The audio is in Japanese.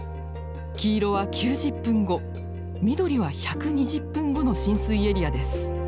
黄色は９０分後緑は１２０分後の浸水エリアです。